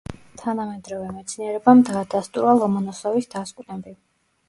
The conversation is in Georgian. თანამედროვე მეცნიერებამ დაადასტურა ლომონოსოვის დასკვნები.